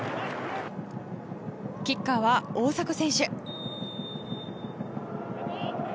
キッカーは大迫選手。